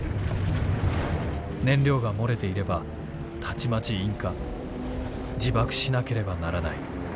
燃料が漏れていればたちまち引火自爆しなければならない。